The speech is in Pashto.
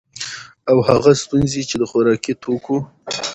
او هغه ستونزي چي د خوراکي توکو